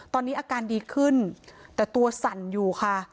ตอนนี้อาการดีขึ้นแต่ตัวสั่นอยู่ค่ะ